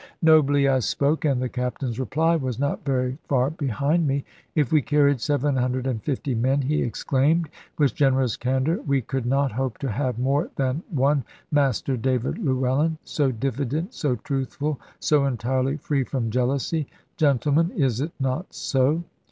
Nobly I spoke; and the Captain's reply was not very far behind me. "If we carried 750 men," he exclaimed, with generous candour, "we could not hope to have more than one Master David Llewellyn; so diffident, so truthful, so entirely free from jealousy. Gentlemen, is it not so?"